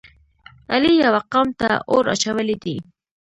علی یوه قوم ته اور اچولی دی.